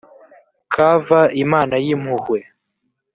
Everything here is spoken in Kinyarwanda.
kv imana y impuhwe